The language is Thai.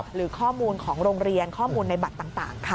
หรือข้อมูลของโรงเรียนข้อมูลในบัตรต่างค่ะ